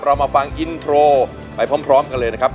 เรามาฟังอินโทรไปพร้อมกันเลยนะครับ